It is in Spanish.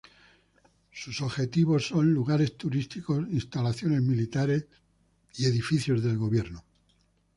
Sus objetivos son lugares turísticos, instalaciones militares y edificios del gobierno.